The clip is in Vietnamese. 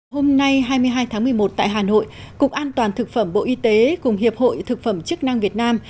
hôm nay hai mươi hai tháng một mươi một tại hà nội cục an toàn thực phẩm bộ y tế cùng hiệp hội thực phẩm chức năng việt nam